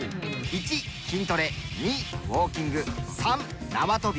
１筋トレ２ウォーキング３縄跳び。